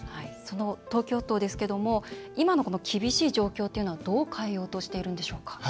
その東京都ですけども今の厳しい状況っていうのはどう変えようとしているんでしょうか？